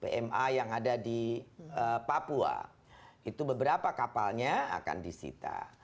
pma yang ada di papua itu beberapa kapalnya akan disita